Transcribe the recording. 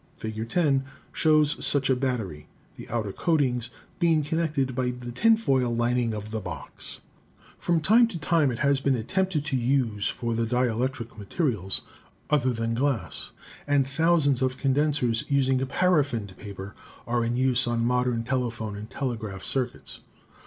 Fig. 10 shows such a battery, the outer coatings being connected by the tinfoil lining of the box. Experiment of Cuneus : the Leyden Jar. From time to time it has been attempted to use for the dielectric materials other than glass, and thousands of condensers using paraffined paper are in use on modern telephone and telegraph circuits.